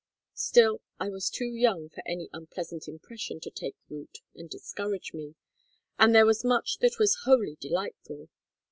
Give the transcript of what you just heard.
Still, I was too young for any unpleasant impression to take root and discourage me, and there was much that was wholly delightful.